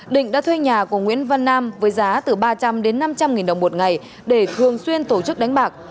định đã thuê nhà của nguyễn văn nam với giá từ ba trăm linh đến năm trăm linh nghìn đồng một ngày để thường xuyên tổ chức đánh bạc